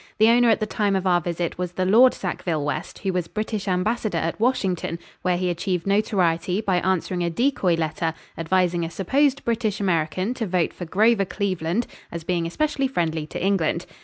The owner at the time of our visit was the Lord Sackville West who was British ambassador at Washington, where he achieved notoriety by answering a decoy letter advising a supposed British American to vote for Grover Cleveland as being especially friendly to England.